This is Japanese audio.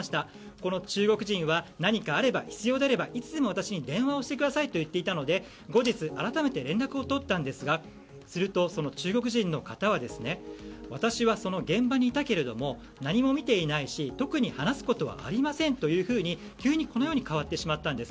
この中国人は何かあれば、必要であればいつでも私に電話をしてくださいと言っていたので後日改めて連絡を取ったんですが中国人の方は私はその現場にいたけれども何も見ていないし特に話すことはありませんというふうに変わってしまったんです。